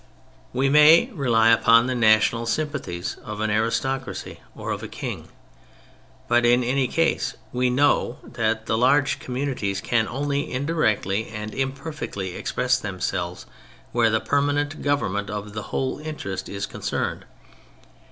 We may rely upon the national sym pathies of an aristocracy or of a king. But in any case we know that large communities can only indirectly and imperfectly express themselves where the permanent government of their whole interest is concerned.